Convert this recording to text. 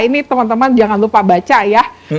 ini temen temen jangan lupa baca ya